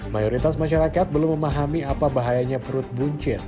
mayoritas masyarakat belum memahami apa bahayanya perut buncit